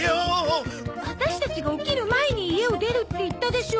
ワタシたちが起きる前に家を出るって言ったでしょ。